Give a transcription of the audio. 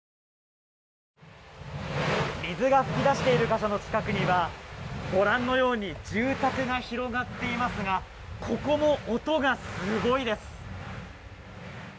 水が噴き出している場所の近くにはご覧のように住宅が広がっていますがここも音がすごいです。